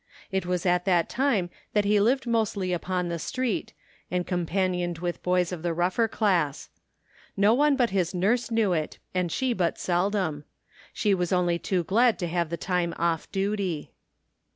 It was at that time that he lived mostly upon the street, and companioned with boys of the rougher class. No one but his nurse knew it, and she but seldom. She was only too glad to have the time off duty.